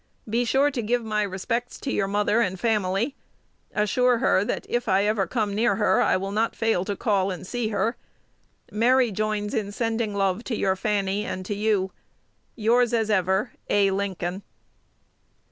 Be sure to give my respects to your mother and family: assure her, that, if I ever come near her, I will not fail to call and see her. Mary joins in sending love to your Fanny and you. Yours as ever, A. Lincoln.